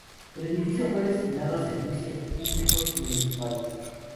El edificio fue destinado a servicios públicos municipales.